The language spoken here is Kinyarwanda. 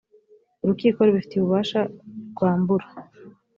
urukiko rubifitiye ububasha rwambura